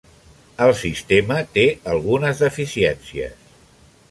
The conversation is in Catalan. El sistema té algunes deficiències.